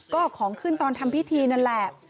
ก็ของขึ้นตอนทำพิธีนั่นแหละ